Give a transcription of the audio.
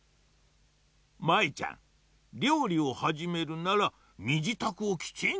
舞ちゃんりょうりをはじめるならみじたくをきちんとしなきゃな。